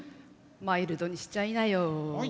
マイルドにしちゃいなよ。